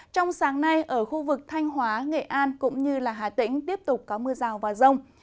trong sáng nay ở khu vực thanh hóa nghệ an cũng như hà tĩnh tiếp tục có mưa rào và rông